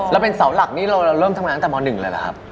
เราเป็นเสาหลักนี่เราเริ่มทำงานตั้งแต่ม๑เลยเหรอครับ